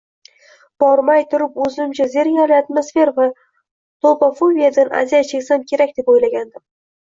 Bormay turib oʻzimcha zerikarli atmosfera va tolpafobiyadan aziyat cheksam kerak deb oʻylagandim.